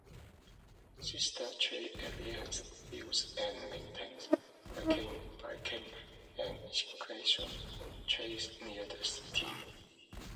Sisters Trail Alliance builds and maintains hiking, biking and equestrian trails near the city.